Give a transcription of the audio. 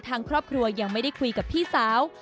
ทางครอบครัวยังไม่ได้คุยกับพี่สาว